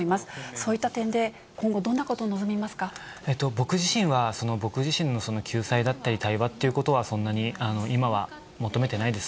そういった点で、今後、どんなこ僕自身は、僕自身の救済だったり、対話ということはそんなに今は求めてないです。